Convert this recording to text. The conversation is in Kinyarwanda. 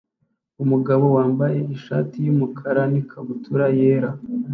Umugabo wambaye ishati yumukara nikabutura yera